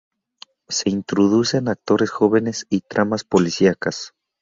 Se introducen actores jóvenes y tramas policíacas.